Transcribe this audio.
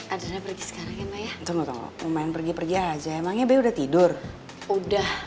adrena pergi sekarang ya ma ya tunggu tunggu lumayan pergi pergi aja emangnya be udah tidur udah